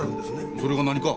それが何か？